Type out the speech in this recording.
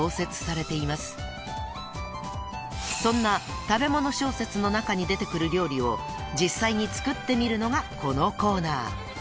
［そんな食べ物小説の中に出てくる料理を実際に作ってみるのがこのコーナー］